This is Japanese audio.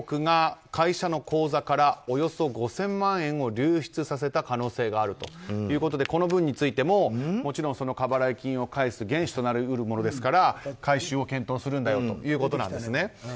須藤早貴被告が会社の口座からおよそ５０００万円を流出させた可能性があるということでこの分についても過払い金を返す原資となり得るものですから回収を検討するということなんです。